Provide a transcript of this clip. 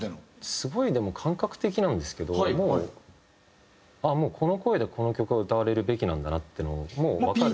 すごいでも感覚的なんですけどもうあっこの声でこの曲は歌われるべきなんだなっていうのをもうわかる。